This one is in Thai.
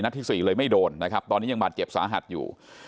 ที่๔เลยไม่โดนนะครับตอนนี้ยังบาดเจ็บสาหัสอยู่